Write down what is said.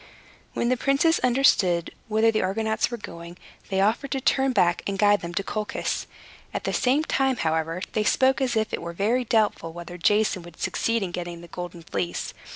When the princes understood whither the Argonauts were going, they offered to turn back, and guide them to Colchis. At the same time, however, they spoke as if it were very doubtful whether Jason would succeed in getting the Golden Fleece.